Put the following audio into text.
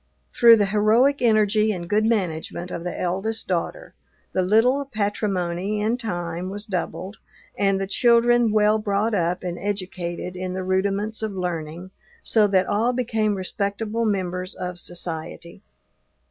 Through the heroic energy and good management of the eldest daughter, the little patrimony, in time, was doubled, and the children well brought up and educated in the rudiments of learning, so that all became respectable members of society.